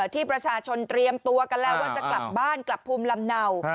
ที่ประชาชนเตรียมตัวกันแล้วว่าจะกลับบ้านกลับภูมิลำเนา